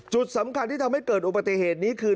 จุดสำคัญที่ทำให้เกิดอุบัติเหตุนี้คือ